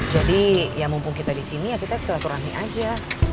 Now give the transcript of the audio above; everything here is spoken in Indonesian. jadi ya mumpung kita di sini ya kita silaturahmi aja